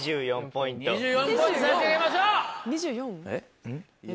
２４ポイント差し上げましょう！